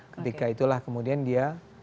ketika itulah kemudian dia